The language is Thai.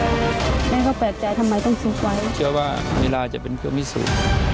มีแม่เขาแปลกใจทำไมต้องซุกไว้เชื่อว่าเวลาจะเป็นเวลาไม่สู้